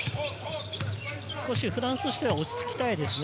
少し、フランスとしては落ち着きたいですよね。